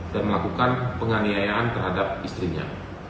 dan melakukan penganiayaan terhadap istrinya